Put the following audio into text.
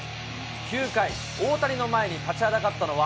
９回、大谷の前に立ちはだかったのは、